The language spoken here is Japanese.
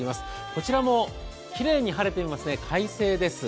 こちらもきれいに晴れておりますね、快晴です。